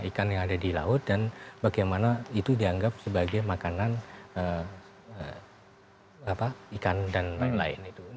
ikan yang ada di laut dan bagaimana itu dianggap sebagai makanan ikan dan lain lain